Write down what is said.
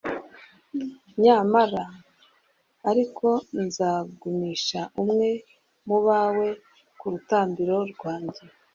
nyamara ariko, nzagumisha umwe mu bawe ku rutambiro rwanjye